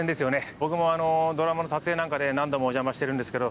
僕もドラマの撮影なんかで何度もお邪魔してるんですけど。